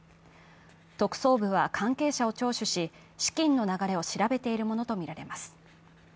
特捜部は、関係者を聴取し資金の流れを調べているものとみられます。